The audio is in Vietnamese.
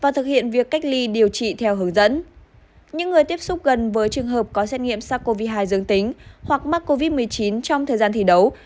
các trường hợp có xét nghiệm sars cov hai dương tính hoặc mắc covid một mươi chín trong thời gian thi đấu